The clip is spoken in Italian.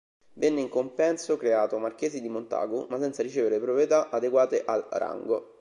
Venne in compenso creato Marchese di Montagu ma senza ricevere proprietà adeguate al rango.